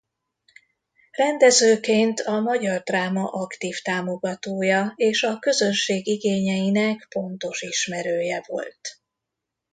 Rendezőként a magyar dráma aktív támogatója és a közönség igényeinek pontos ismerője volt.